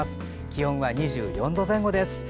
気温は２４度前後です。